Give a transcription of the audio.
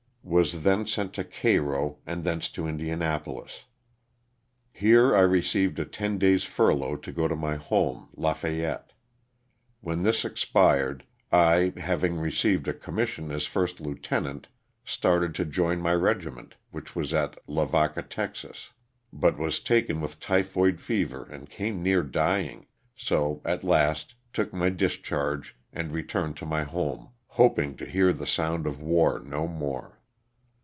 Was then sent to Cairo, and thence to Indianapolis. 264 LOSS OF THE SULTANA. Here I received a ten days' furlough to go to my home, La Fayette. When this expired, I, having received a commission as first lieutenant, started to join my regi ment, which was at Lavaca, Texas, but was taken with typhoid fever and came near dying, so at last took my discharge and returned to my home hoping to hear the sound of war no more.